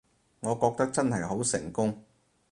我覺得真係好成功